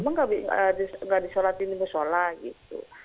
emang nggak disolatin di musola gitu